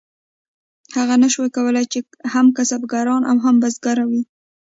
هغه نشو کولی هم کسبګر او هم بزګر وي.